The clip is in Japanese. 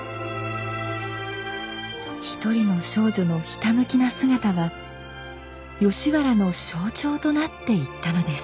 一人の少女のひたむきな姿は吉原の象徴となっていったのです。